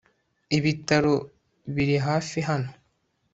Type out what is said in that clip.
ibitaro biri hafi hano